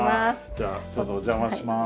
じゃあちょっとお邪魔します。